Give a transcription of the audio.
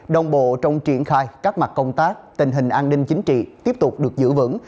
đồng bộ trong triển khai các mặt công tác tình hình an ninh chính trị tiếp tục được giữ vững